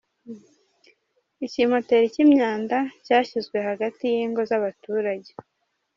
Ikimpoteri cy’imyanda cyashyizwe hagati y’ingo z’abaturage